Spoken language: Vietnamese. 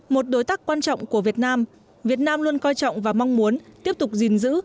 một đối tác quan trọng của việt nam việt nam luôn coi trọng và mong muốn tiếp tục gìn giữ